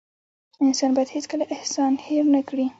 انسان بايد هيڅکله احسان هېر نه کړي .